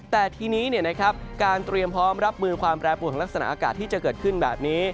แต่ทีนี้การเตรียมพร้อมรับมือความแปรปวดของลักษณะอากาศที่จะเกิดขึ้นแบบนี้